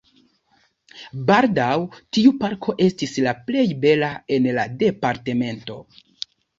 Baldaŭ tiu parko estis la plej bela en la departemento.